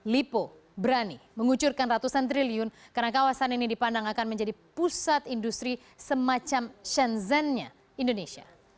lipo berani mengucurkan ratusan triliun karena kawasan ini dipandang akan menjadi pusat industri semacam shenzhen nya indonesia